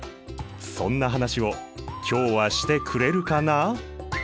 そんな話を今日はしてくれるかな？